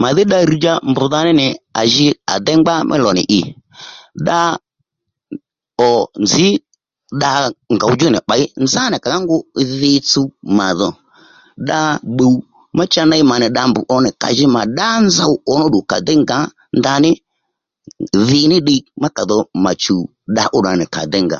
Màdhí dda rr̀dja mbdha ní nì à ji à déy ngbá mí lò nì ì, dda ò nzǐ dda ngòw djú nì pběy nzánà à ká ngu dhi tsuw màdho dda bbùw mà cha ney mà nì dda mb ǒmá ddù nì kà mà ddá nzow ǒmá ddù à déy ngǎ ndaní dhi ní ddiy má kà dho mà chùw dda óddu nì kà déy ngǎ